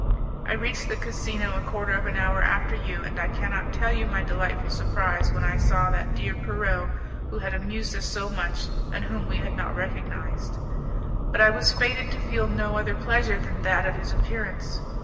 I reached the casino a quarter of an hour after you, and I cannot tell you my delightful surprise when I saw that dear Pierrot who had amused us so much, and whom we had not recognized. But I was fated to feel no other pleasure than that of his appearance.